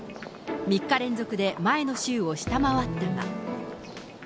３日連続で前の週を下回ったが。